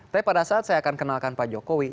tapi pada saat saya akan kenalkan pak jokowi